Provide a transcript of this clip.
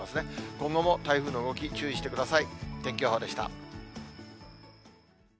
今後も台風の動き、注意してください。